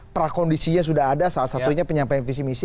prakondisinya sudah ada salah satunya penyampaian visi misi